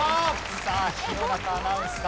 さあ弘中アナウンサー。